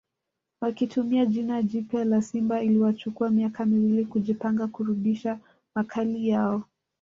Wakitumia jina jipya la Simba iliwachukua miaka miwili kujipanga kurudisha makali yao